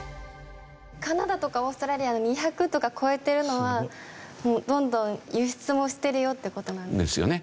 カナダとかオーストラリアの２００とか超えてるのはどんどん輸出もしてるよって事？ですよね。